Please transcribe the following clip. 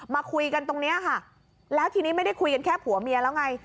มาคุยกันตรงนี้ค่ะแล้วทีนี้ไม่ได้คุยกันแค่ผัวเมียแล้วไง